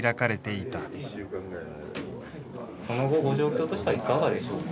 その後ご状況としてはいかがでしょうか？